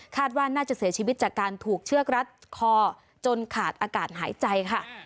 ว่าน่าจะเสียชีวิตจากการถูกเชือกรัดคอจนขาดอากาศหายใจค่ะ